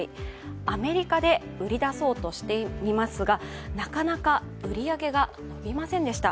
アメリカで売り出そうとしてみますが、なかなか売り上げが伸びませんでした。